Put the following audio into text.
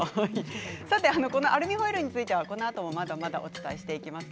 アルミホイルについてはこのあともまだまだお伝えしていきます。